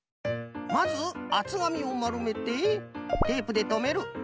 まずあつがみをまるめてテープでとめる。